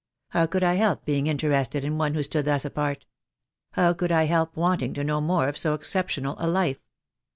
How could I help being interested in one who stood thus apart? How could I help wanting to know more of so exceptional a life?"